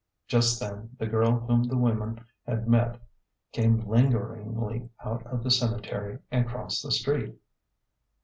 Just then the girl whom the women had met came lin geringly out of the cemetery and crossed the street.